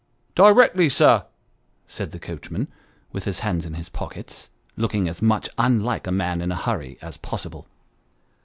" Di rectly, sir," said the coachman, with his hands in his pockets, looking as much unlike a man in a hurry as possible.